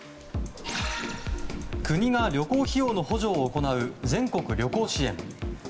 国が旅行費用の補助を行う全国旅行支援。